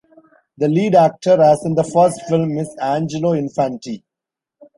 The lead actor, as in the first film, is Angelo Infanti.